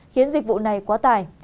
khiến dịch vụ này quá tải